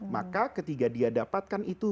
maka ketika dia dapatkan itu